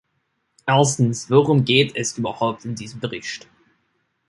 Erstens, worum geht es überhaupt in diesem Bericht?